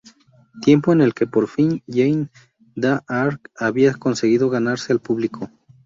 Tiempo en el que por fin Janne da Arc había conseguido ganarse al público.